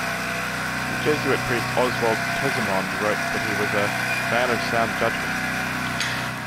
The Jesuit priest Oswald Tesimond wrote that he was "a man of sound judgement.